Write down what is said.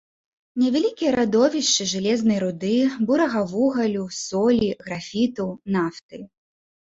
Невялікія радовішчы жалезнай руды, бурага вугалю, солі, графіту, нафты.